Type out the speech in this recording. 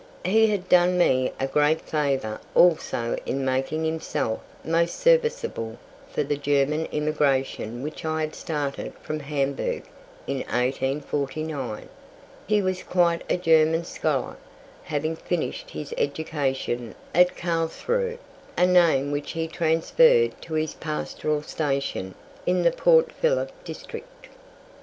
He had done me a great favour also in making himself most serviceable with the German immigration which I had started from Hamburg in 1849. He was quite a German scholar, having finished his education at Carlsruhe, a name which he transferred to his pastoral station in the Port Phillip District.